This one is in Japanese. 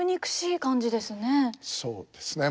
そうですね。